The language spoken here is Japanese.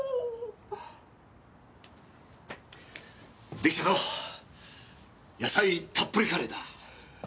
出来たぞ野菜たっぷりカレーだ。